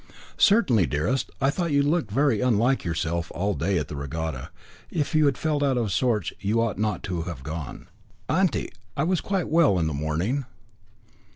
"Certainly, dearest. I thought you looked very unlike yourself all day at the regatta. If you had felt out of sorts you ought not to have gone." "Auntie! I was quite well in the morning."